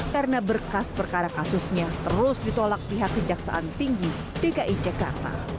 karena berkas perkara kasusnya terus ditolak pihak kejaksaan tinggi dki jakarta